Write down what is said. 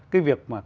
cái việc mà